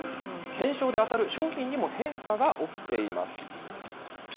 懸賞で当たる賞品にも変化が起きています。